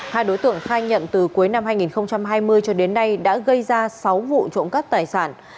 hai đối tượng khai nhận từ cuối năm hai nghìn hai mươi cho đến nay đã gây ra sáu vụ trộm cắp tài sản